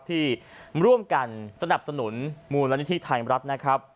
ที่ร่วมกันสนับสนุนมูลนิธิไทยรัฐนะครับ